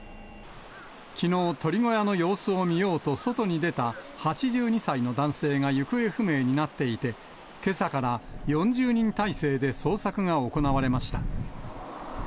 きのう、鶏小屋の様子を見ようと外に出た８２歳の男性が行方不明になっていて、けさから４０人態勢で捜索が行われました。